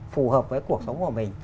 phù hợp với cuộc sống của mình